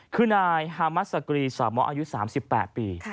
คือนายฮามัสสกรีสามะอายุ๓๘ปี